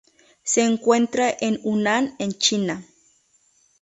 Se encuentra en Hunan en China.